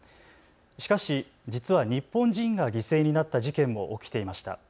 しかし実は日本人が犠牲になった事件も起きていました。